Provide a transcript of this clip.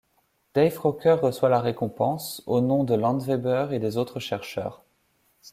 Dave Crocker reçoit la récompense, aux noms de Landweber et des autres chercheurs.